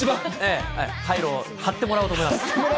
カイロ、貼ってもらおうと思います。